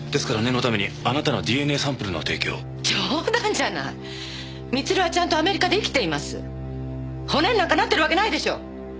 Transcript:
骨になんかなってるわけないでしょ！